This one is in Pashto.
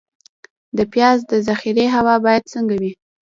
د پیاز د ذخیرې هوا باید څنګه وي؟